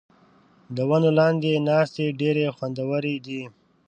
د ونو لاندې ناستې ډېرې خوندورې دي.